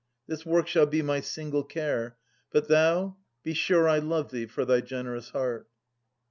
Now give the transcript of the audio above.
This work shall be my single care; but thou. Be sure I love thee for thy generous heart.